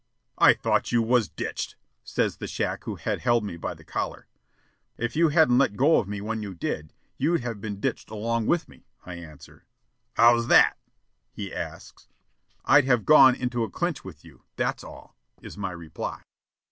"I thought you was ditched," says the shack who had held me by the collar. "If you hadn't let go of me when you did, you'd have been ditched along with me," I answer. "How's that?" he asks. "I'd have gone into a clinch with you, that's all," is my reply.